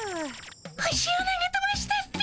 星を投げとばしたっピ。